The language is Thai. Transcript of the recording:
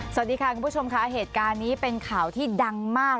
สวัสดีค่ะคุณผู้ชมค่ะเหตุการณ์นี้เป็นข่าวที่ดังมาก